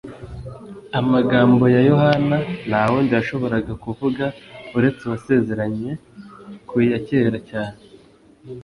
Amagambo ya Yohana nta wundi yashoboraga kuvuga uretse Uwasezeranywe kuya kera cyane.